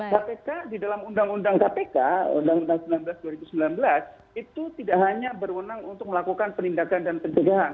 kpk di dalam undang undang kpk undang undang sembilan belas dua ribu sembilan belas itu tidak hanya berwenang untuk melakukan penindakan dan pencegahan